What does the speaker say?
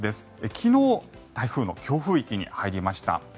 昨日、台風の強風域に入りました。